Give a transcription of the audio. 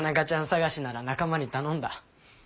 捜しなら仲間に頼んだ。